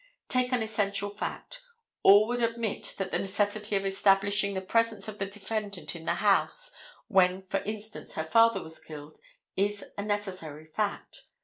Take an essential fact. All would admit that the necessity of establishing the presence of the defendant in the house, when, for instance, her father was killed, is a necessary fact.